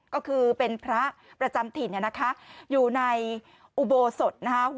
ก็คือเป็นพระประจำถิ่นนะคะอยู่ในอุโบสถนะคะ